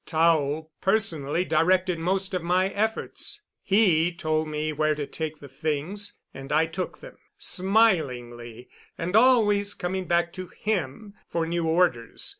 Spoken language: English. Tao personally directed most of my efforts. He told me where to take the things, and I took them, smilingly, and always coming back to him for new orders.